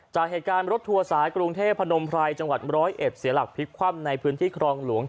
จากเหตุการณ์รถทัวร์สายกรุงเทพพนมไพรจังหวัด๑๐๑เสียหลักพลิกคว่ำในพื้นที่ครองหลวง